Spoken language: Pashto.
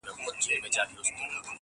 چې د هنر شاهین یې دواړه وزرونه لري